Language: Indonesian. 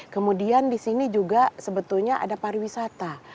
kemudian disini juga sebetulnya ada pariwisata